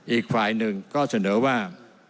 อีกฝ่ายหนึ่งก็เสนอว่า